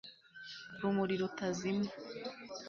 rumuri rutazima